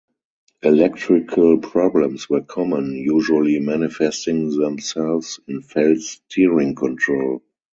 Electrical problems were common usually manifesting themselves in failed steering control.